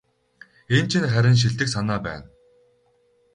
Энэ чинь харин шилдэг санаа байна.